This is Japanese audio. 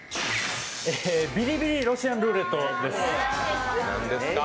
ビリビリロシアンルーレットです。